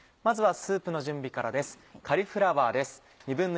まずはスープの準備からです。